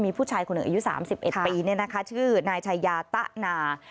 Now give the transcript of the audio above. มีผู้ชายคนหนึ่งอายุ๓๑ปีชื่อนายชายาตะนา